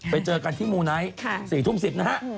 ไปเจอกันที่มูไนท์๔ทุ่ม๑๐นะฮะ